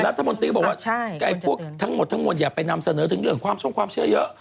รัฐมนตรีบอกว่าพวกทั้งหมดทั้งมวลอย่าไปนำเสนอถึงเรื่องความทรงความเชื่อเยอะ